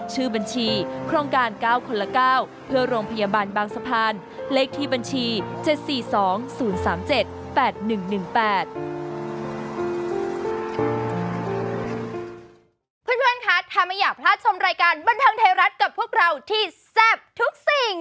ชื่อบัญชีโครงการ๙คนละ๙เพื่อโรงพยาบาลบางสะพาน